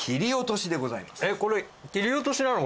えっこれ切り落としなの？